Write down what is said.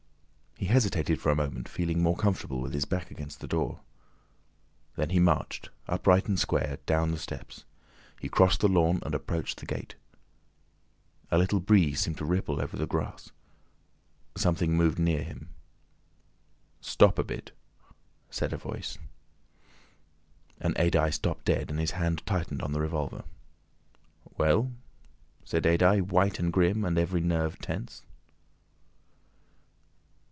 He hesitated for a moment, feeling more comfortable with his back against the door. Then he marched, upright and square, down the steps. He crossed the lawn and approached the gate. A little breeze seemed to ripple over the grass. Something moved near him. "Stop a bit," said a Voice, and Adye stopped dead and his hand tightened on the revolver. "Well?" said Adye, white and grim, and every nerve tense.